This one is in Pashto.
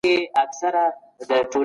راځئ چي یوه ښه ټولنه جوړه کړو.